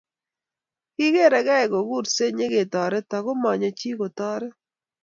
kikerei kei ko kursei nyeketoret ako manyo chi nyokotoret